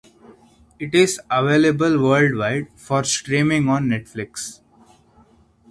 It is available worldwide for streaming on Netflix.